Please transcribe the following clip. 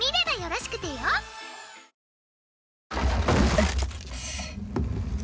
うっ！